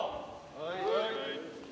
はい。